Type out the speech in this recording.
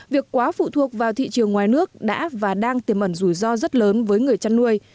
việc quá phụ thuộc vào thị trường ngoài nước đã và đang tiềm ẩn rủi ro rất lớn với người chăn nuôi